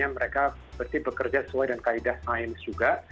mereka pasti bekerja sesuai dengan kaedah sains juga